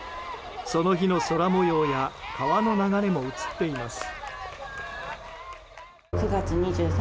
その日の空模様や川の流れも映っています。